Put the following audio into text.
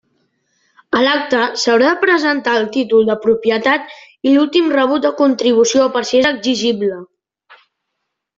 A l'acte s'haurà de presentar el títol de propietat i l'últim rebut de contribució, per si és exigible.